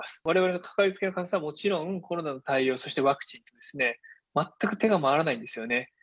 われわれの掛かりつけの患者さん、もちろん、コロナの対応、そしてワクチンですね、全く手が回らないんですよね。